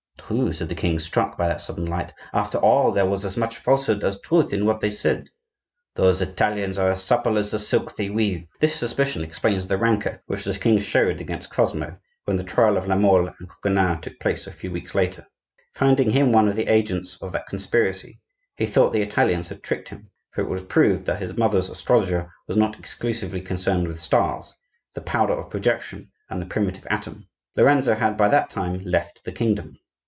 "True," said the king, struck by that sudden light. "After all, there was as much falsehood as truth in what they said. Those Italians are as supple as the silk they weave." This suspicion explains the rancor which the king showed against Cosmo when the trial of La Mole and Coconnas took place a few weeks later. Finding him one of the agents of that conspiracy, he thought the Italians had tricked him; for it was proved that his mother's astrologer was not exclusively concerned with stars, the powder of projection, and the primitive atom. Lorenzo had by that time left the kingdom.